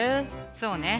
そうね。